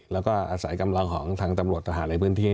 แล้วก็อาศัยกำลังของทางตำรวจทหารในพื้นที่